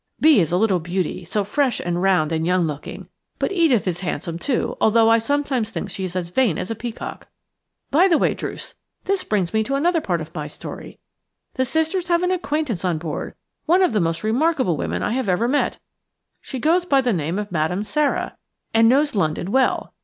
Bee is a little beauty, so fresh and round and young looking. But Edith is handsome, too, although I sometimes think she is as vain as a peacock. By the way, Druce, this brings me to another part of my story. The sisters have an acquaintance on board, one of the most remarkable women I have ever met. She goes by the name of Madame Sara, and knows London well.